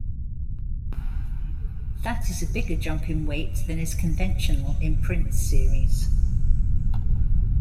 That is a bigger jump in weight than is conventional in print series.